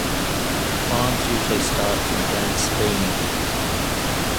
Climbs usually start from Glen Spean.